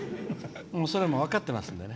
それも分かってますんでね。